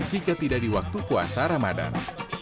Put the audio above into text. jika tidak di waktu puasa ramadan